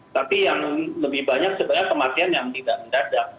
tapi yang lebih banyak sebenarnya kematian yang tidak mendadak